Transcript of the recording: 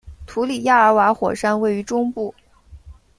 图里亚尔瓦火山位于中部。